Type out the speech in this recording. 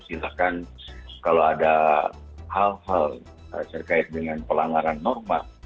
silahkan kalau ada hal hal terkait dengan pelanggaran norma